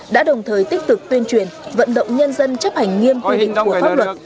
đã đồng thời tích cực tuyên truyền vận động nhân dân chấp hành nghiêm quy định của pháp luật